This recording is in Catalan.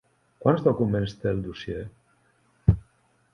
Quants documents té el dossier?